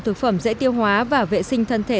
thực phẩm dễ tiêu hóa và vệ sinh thân thể